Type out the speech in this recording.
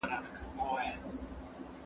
هغه وويل چي زه درس لولم؟!